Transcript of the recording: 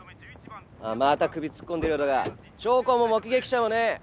また首突っ込んでるようだが証拠も目撃者もねえ！